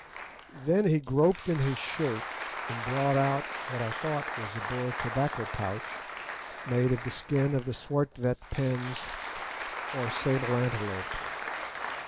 "Then he groped in his shirt and brought out what I thought was a Boer tobacco pouch made of the skin of the Swart vet pens or sable antelope.